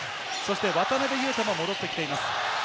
渡邊雄太も戻ってきています。